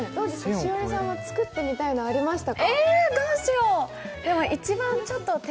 栞里さんは作ってみたいの、ありましたか？